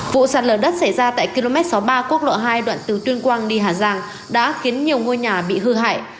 vụ sạt lở đất xảy ra tại km sáu mươi ba quốc lộ hai đoạn từ tuyên quang đi hà giang đã khiến nhiều ngôi nhà bị hư hại